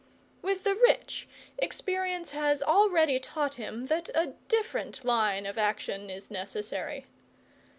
With the rich, experience has already taught him a different line of action is necessary.